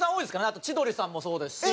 あと千鳥さんもそうですし。